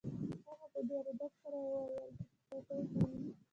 هغه په ډیر ادب سره وویل چې په څوکۍ کښیني